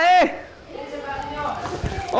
di sebelah ini pak